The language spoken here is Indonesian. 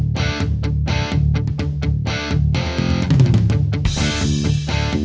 aku mau ke sana